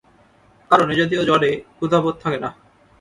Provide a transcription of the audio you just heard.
কারণ এ-জাতীয় জ্বরে ক্ষুধাবোধ থাকে না।